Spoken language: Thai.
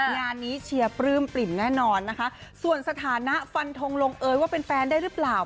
งานนี้เชียร์ปลื้มปลิ่มแน่นอนนะคะส่วนสถานะฟันทงลงเอยว่าเป็นแฟนได้หรือเปล่า